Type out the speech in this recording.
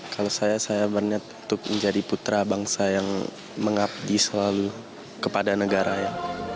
kalau saya saya berniat untuk menjadi putra bangsa yang mengabdi selalu kepada negara ya